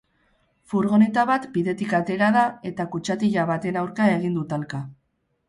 Furgoneta bat bidetik atera da eta kutxatila baten aurka egin du talka.